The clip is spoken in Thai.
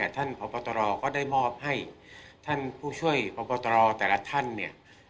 ท่านพบตรก็ได้มอบให้ท่านผู้ช่วยพบตรแต่ละท่านเนี่ย